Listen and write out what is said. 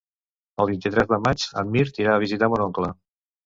El vint-i-tres de maig en Mirt irà a visitar mon oncle.